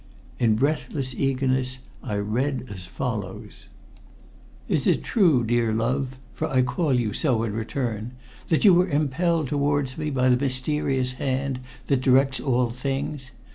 In breathless eagerness I read as follows: "Is it true, dear love for I call you so in return that you were impelled towards me by the mysterious hand that directs all things?